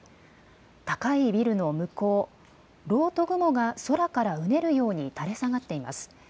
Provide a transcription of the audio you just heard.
高いビルの向こう、ろうと雲が空からうねるように垂れ下がっています。